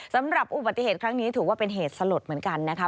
สำหรับอุบัติเหตุครั้งนี้ถือว่าเป็นเหตุสลดเหมือนกันนะคะ